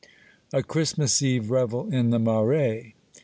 A CHRISTMAS EVE REVEL IN THE MARAIS.